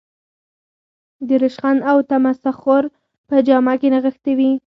د رشخند او تمسخر په جامه کې نغښتې وي.